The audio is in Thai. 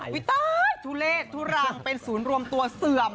ตายทุเลศทุรังเป็นศูนย์รวมตัวเสื่อม